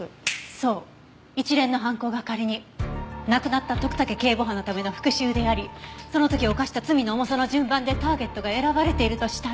そう一連の犯行が仮に亡くなった徳武警部補のための復讐でありその時犯した罪の重さの順番でターゲットが選ばれているとしたら。